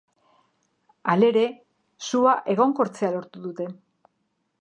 Halere, sua egonkortzea lortu dute.